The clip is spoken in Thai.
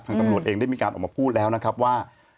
ตำรวจเองได้มีการออกมาพูดแล้วนะครับว่า